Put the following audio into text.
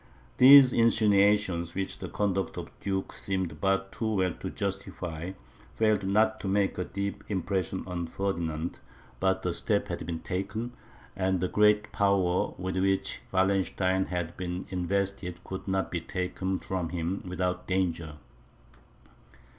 These insinuations, which the conduct of the duke seemed but too well to justify, failed not to make a deep impression on Ferdinand; but the step had been taken, and the great power with which Wallenstein had been invested, could not be taken from him without danger.